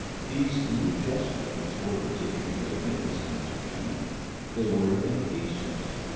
These new gestures were particularly interesting to him. They were impatient.